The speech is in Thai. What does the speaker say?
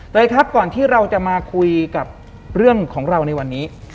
ครับก่อนที่เราจะมาคุยกับเรื่องของเราในวันนี้